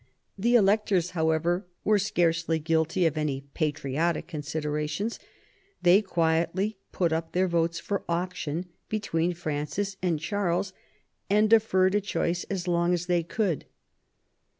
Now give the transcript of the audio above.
The electors, however, were scarcely guilty of any patriotic considerations ; they quietly put up their votes for auction between Francis and Charles, and deferred a choice as long as they could.